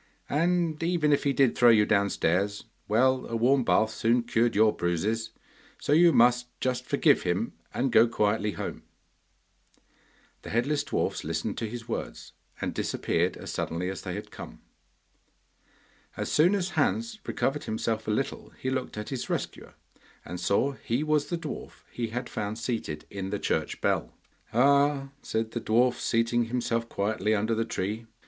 And even if he did throw you downstairs, well, a warm bath soon cured your bruises, so you must just forgive him and go quietly home.' The headless dwarfs listened to his words and disappeared as suddenly as they had come. As soon as Hans recovered himself a little he looked at his rescuer, and saw he was the dwarf he had found seated in the church bell. 'Ah!' said the dwarf, seating himself quietly under the tree.